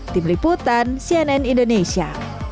tim liputan cnn indonesia